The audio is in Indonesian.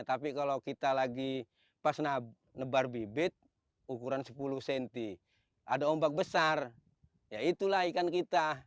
tapi kalau kita lagi pas nebar bibit ukuran sepuluh cm ada ombak besar ya itulah ikan kita